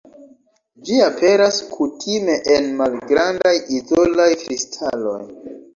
Ĝi aperas kutime en malgrandaj izolaj kristaloj.